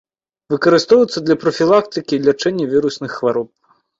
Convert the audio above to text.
Выкарыстоўваецца для прафілактыкі і лячэння вірусных хвароб.